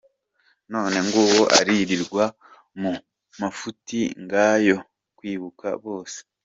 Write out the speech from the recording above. None nguwo aririrwa mu mafuti ngo yo « kwibuka bose ».